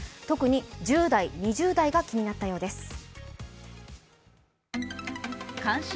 特に１０代、２０代が気になったようです。